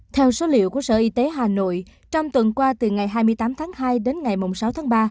theo số liệu của sở y tế hà nội trong tuần qua từ ngày hai mươi tám tháng hai đến ngày sáu tháng ba